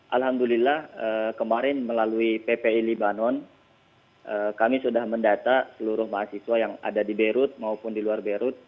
alhamdulillah kemarin melalui ppi libanon kami sudah mendata seluruh mahasiswa yang ada di beirut maupun di luar beirut